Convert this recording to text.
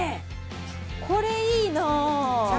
これいいな。